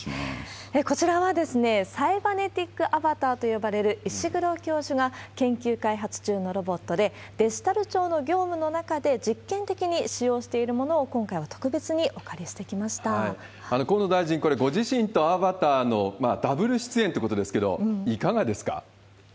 こちらはサイバネティックアバターと呼ばれる、石黒教授が研究開発中のロボットで、デジタル庁の業務の中で実験的に使用しているものを、今回は特別河野大臣、これ、ご自身とアバターのダブル出演ということですけれども、いかがですか？